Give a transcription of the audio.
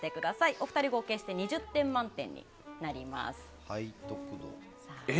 お二人合計して２０点満点になります。